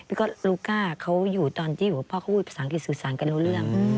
แล้วก็ลูก้าเขาอยู่ตอนที่พ่อเขาพูดภาษาอังกฤษสื่อสารกันรู้เรื่อง